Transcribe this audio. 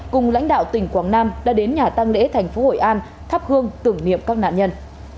cùng lãnh đạo tỉnh quảng nam đã đến nhà tăng lễ thành phố hội an thắp hương tưởng niệm các nạn nhân